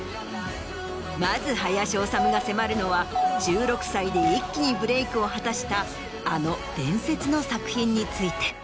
まず林修が迫るのは１６歳で一気にブレークを果たしたあの伝説の作品について。